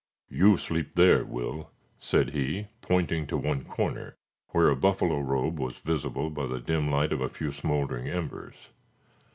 "You sleep there, Will," said he, pointing to one corner, where a buffalo robe was visible by the dim light of a few smoldering embers.